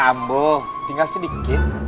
tambuh tinggal sedikit